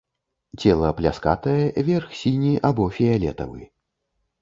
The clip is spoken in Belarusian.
Цела пляскатае, верх сіні або фіялетавы.